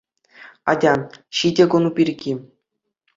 Атя, ҫитӗ кун пирки.